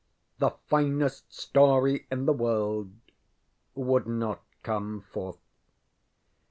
The finest story in the world would not come forth.